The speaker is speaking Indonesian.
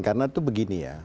karena itu begini ya